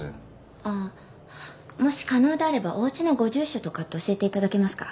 あっもし可能であればお家のご住所とかって教えて頂けますか？